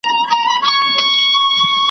مشران څنګه فردي ازادۍ ته وده ورکوي؟